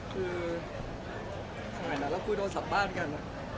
คือสมัยนั้นเราคุยโทรศัพท์บ้านกัน